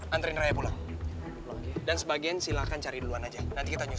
anterin raya pulang dan sebagian silahkan cari duluan aja nanti kita nyusul